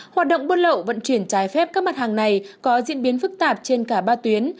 hoạt động buôn lậu vận chuyển trái phép các mặt hàng này có diễn biến phức tạp trên cả ba tuyến